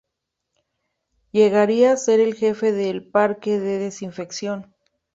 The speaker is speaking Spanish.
Llegaría a ser el jefe del Parque de Desinfección.